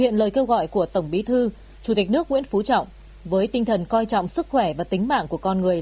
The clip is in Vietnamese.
nội dung chỉ thị như sau